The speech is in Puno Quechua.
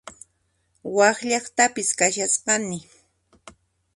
Wak llaqtapis kashasqani